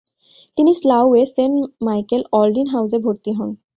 তিনি স্লাউয়ে Saint Michael অল্ডিন হাউজে ভর্তি হন।